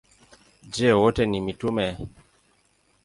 Je, wote ni mitume?